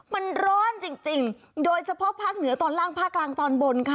มันร้อนจริงโดยเฉพาะภาคเหนือตอนล่างภาคกลางตอนบนค่ะ